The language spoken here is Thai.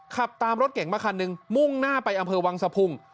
ขับตามรถเก๋งมาคันหนึ่งมุ่งหน้าไปอำเภอวังสะพุง